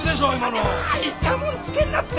いちゃもんつけんなって。